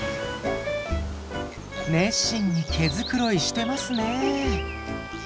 熱心に毛繕いしてますね。